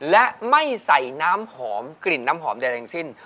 และไม่ใส่น้ำหอมกลิ่นน้ำหอมใดทั้งสิ้น